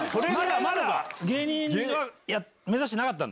まだ芸人は目指してなかったんだ。